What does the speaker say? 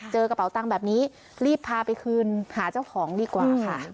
กระเป๋าตังค์แบบนี้รีบพาไปคืนหาเจ้าของดีกว่าค่ะ